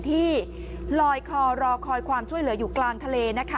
ที่ลอยคอรอคอยความช่วยเหลืออยู่กลางทะเลนะคะ